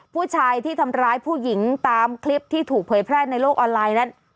ผู้ชายที่ทำร้ายผู้หญิงตามคลิปที่ถูกเผยแพร่ในโลกออนไลน์นั้น